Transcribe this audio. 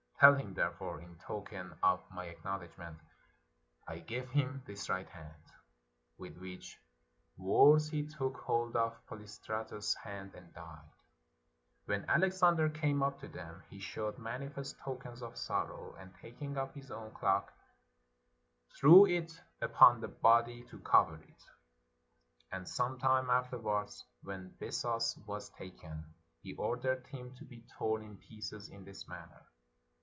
Tell him, therefore, in token of my acknowledgment, I give him this right hand," with which words he took hold of Polystratus's hand and died. When Alexander came up to them, he showed manifest tokens of sorrow, and, tak ing ofT his own cloak, threw it upon the body to cover it. And some time afterwards, when Bessus was taken, he ordered him to be torn in pieces in this manner.